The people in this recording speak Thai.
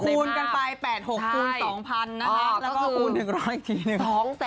คูณกันไป๘๖คูณ๒๐๐๐นะคะแล้วก็คูณ๑๐๐อีกทีหนึ่ง